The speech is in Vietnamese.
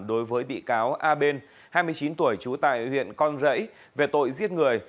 đối với bị cáo a bên hai mươi chín tuổi trú tại huyện con rẫy về tội giết người